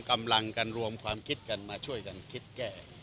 กำลังกันรวมความคิดกันมาช่วยกันคิดแก้